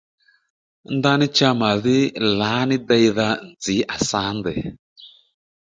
Ndaní cha màdhí lǎní deydha nzǐ à sǎ ndèy